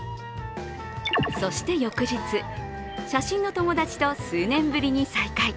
そして翌日、写真の友達と数年ぶりに再会。